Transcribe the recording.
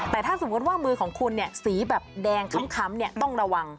แต่ถ้าสมมุติว่ามือของคุณสีแบบแดงค้ำต้องระวัง